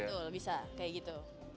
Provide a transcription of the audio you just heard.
betul bisa kayak gitu